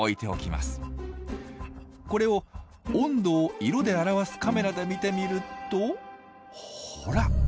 これを温度を色で表すカメラで見てみるとほら。